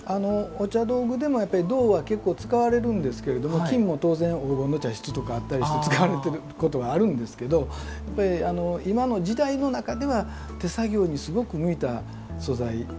お茶道具でもやっぱり銅は結構使われるんですけれども金も当然黄金の茶室とかあったりして使われてることはあるんですけど今の時代の中では手作業にすごく向いた素材だと思ってますね。